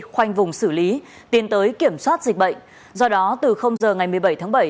khoanh vùng xử lý tiến tới kiểm soát dịch bệnh do đó từ giờ ngày một mươi bảy tháng bảy